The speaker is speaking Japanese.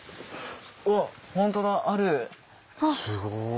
すごい。